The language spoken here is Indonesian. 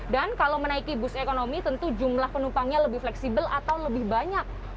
dan kalau menaiki bus ekonomi tentu jumlah penumpangnya lebih fleksibel atau lebih banyak